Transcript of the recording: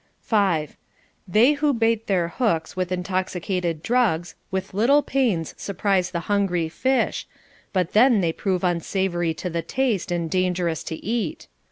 5. They who bait their hooks with intoxicated drugs with little pains surprise the hungry fish, but then they prove unsavory to the taste and dangerous to eat.